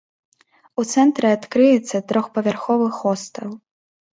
У цэнтры адкрыецца трохпавярховы хостэл.